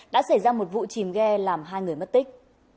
đã xảy ra một vụ chìm ghe làm hai người mất tích